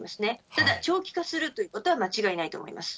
ただ、長期化するということは間違いないと思います。